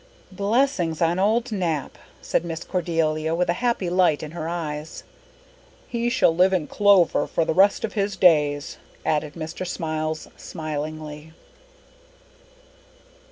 "Blessings on old Nap," said Miss Cordelia with a happy light in her eyes. "He shall live in clover for the rest of his days," added Mr. Smiles smilingly.